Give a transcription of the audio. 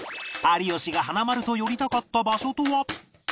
有吉が華丸と寄りたかった場所とは